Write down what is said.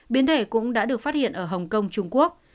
biến thể cũng đã được phát hiện ở hồng kông trung quốc